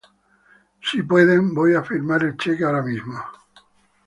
Si pueden, voy a firmar el cheque ahora mismo"".